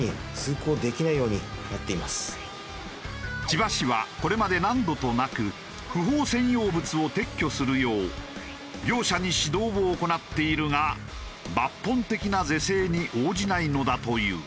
千葉市はこれまで何度となく不法占用物を撤去するよう業者に指導を行っているが抜本的な是正に応じないのだという。